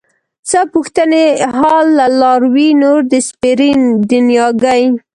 څه پوښتې حال له لاروي نور د سپېرې دنياګۍ